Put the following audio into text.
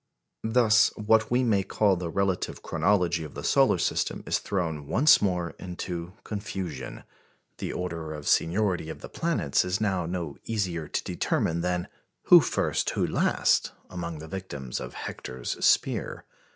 Thus, what we may call the relative chronology of the solar system is thrown once more into confusion. The order of seniority of the planets is now no easier to determine than the "Who first, who last?" among the victims of Hector's spear.